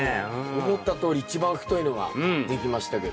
思ったとおり一番太いのができましたけど。